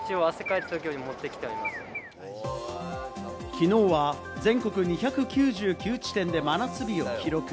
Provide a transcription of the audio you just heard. きのうは全国２９９地点で真夏日を記録。